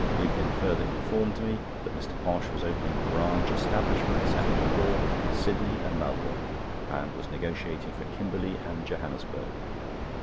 Lupin further informed me that Mr. Posh was opening branch establishments at New York, Sydney, and Melbourne, and was negotiating for Kimberley and Johannesburg.